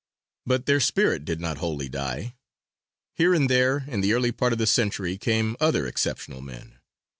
But their spirit did not wholly die; here and there in the early part of the century came other exceptional men.